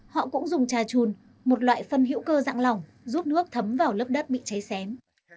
họ cũng dùng trà trùn một loại phân hữu cơ dạng lỏng giúp nước thấm vào lớp đất bị cháy xém